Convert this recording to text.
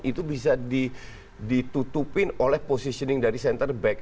itu bisa ditutupin oleh positioning dari center back